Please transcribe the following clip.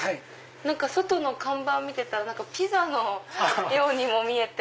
外の看板見てたらピザのようにも見えて。